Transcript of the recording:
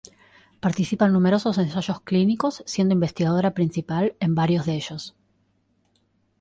Participa en numerosos ensayos clínicos siendo investigadora principal en varios de ellos.